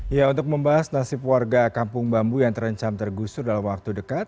ya untuk membahas nasib warga kampung bambu yang terencam tergusur dalam waktu dekat